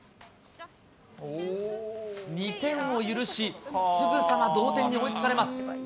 ２点を許し、すぐさま同点に追いつかれます。